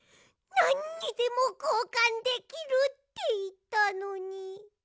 なんにでもこうかんできるっていったのに。